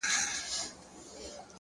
لاسو كې توري دي لاسو كي يې غمى نه دی؛